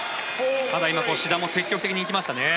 ただ、今、志田も積極的に行きましたね。